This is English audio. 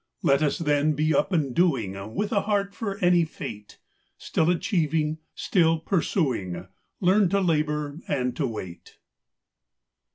Let us, then, be up and doing, With a heart for any fate ; Still achieving, still pursuing, Learn to labor and to wait.